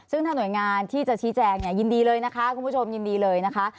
ซึ่งถ้าหน่วยงานที่จะชี้แจงเนี่ยยินดีเลยนะคะคุณผู้ชมยินดีเลยนะคะ